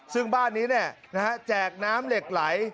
ซึ่งบ้านนี้แจกน้ำเหล็กไหล